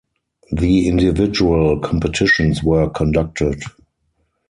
The individual competitions were conducted.